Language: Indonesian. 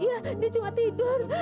iya dia cuma tidur